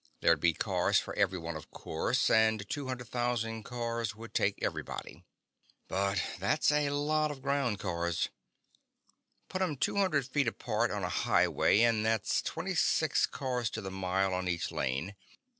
There'd be cars for everyone, of course, and two hundred thousand cars would take everybody. But that's a lot of ground cars! Put 'em two hundred feet apart on a highway, and that's twenty six cars to the mile on each lane.